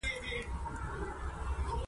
ما ورته وویل تاسي دغه ډول نظر لرئ.